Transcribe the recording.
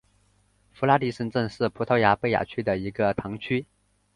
弗拉迪什镇是葡萄牙贝雅区的一个堂区。